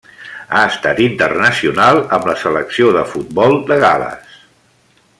Ha estat internacional amb la Selecció de futbol de Gal·les.